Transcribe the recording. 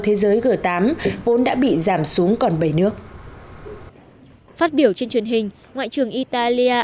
thế giới g tám vốn đã bị giảm xuống còn bảy nước phát biểu trên truyền hình ngoại trưởng italia